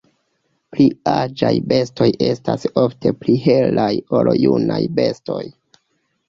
Pli aĝaj bestoj estas ofte pli helaj ol junaj bestoj.